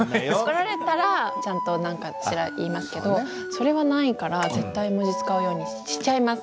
怒られたらちゃんとなんかしら言いますけどそれはないから絶対絵文字使うようにしちゃいます。